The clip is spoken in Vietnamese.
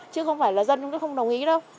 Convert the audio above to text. chứ không phải là dân chúng tôi không đồng ý đâu